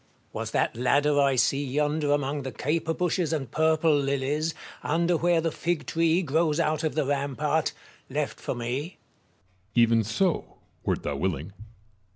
Marizts. Was that ladder I see yonder among the caper bushes and purple lilies, under where the fig tree grows out of the rampart, left for me ? Metellus. Even so, wert thou willing.